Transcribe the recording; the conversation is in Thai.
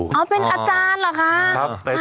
เป็นอาจารย์หรือคะ